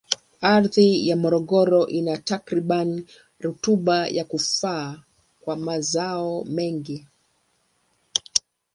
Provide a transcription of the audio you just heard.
Ardhi ya Morogoro ina takribani rutuba ya kufaa kwa mazao mengi.